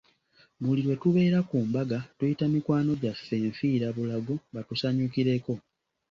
Buli lwe tubeera ku mbaga tuyita mikwano gyaffe nfiirabulago batusanyukireko.